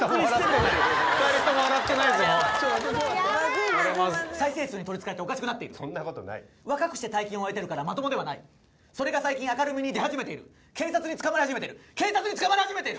そんなことない再生数に取りつかれておかしくなっている若くして大金を得てるからまともではないそれが最近明るみに出始めている警察に捕まり始めてる警察に捕まり始めている！